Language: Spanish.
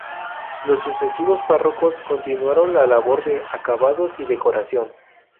Los sucesivos párrocos continuaron la labor de acabados y decoración.